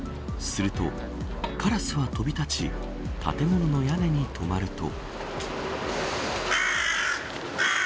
するとカラスは飛び立ち建物の屋根に止まると。